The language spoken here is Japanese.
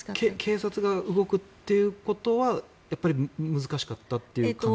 警察が動くということはやっぱり難しかったという感じですか？